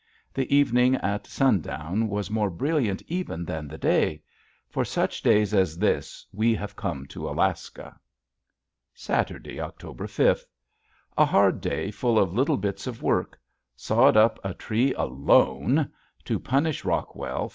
The evening at sundown was more brilliant even than the day. For such days as this we have come to Alaska! Saturday, October fifth. A hard day full of little bits of work. Sawed up a tree alone, to punish Rockwell!